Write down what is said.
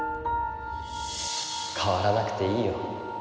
変わらなくていいよ。